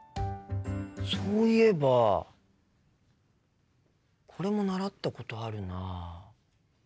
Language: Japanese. そういえばこれも習ったことあるな。